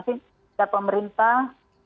masih ada pemerintah